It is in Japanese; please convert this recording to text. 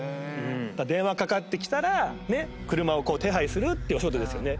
電話かかってきたら車を手配するっていうお仕事ですよね。